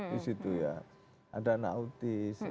di situ ya ada anak autis